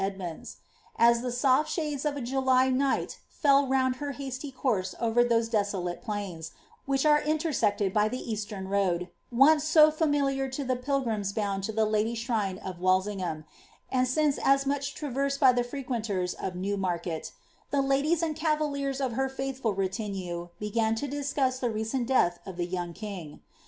Edmunds. As the soft shades of a July night fell round her >urse over those desolate plains, which are intersected by the road — once so familiar to the pilgrims bound to the Lady shrine lingham, and since as much traversed by the frequenters of New — the ladies and cavaliers of her faithful retinue began to discuss ^nt death of the young king.